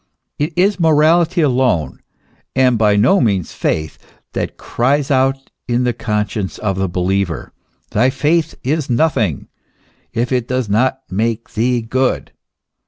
It is morality alone, and by no means faith, that cries out in the conscience of the believer : thy faith is nothing, if it does not make thee good.